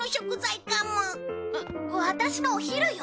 えっワタシのお昼よ。